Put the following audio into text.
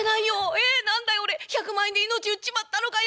えっ何だよ俺１００万円で命売っちまったのかよ。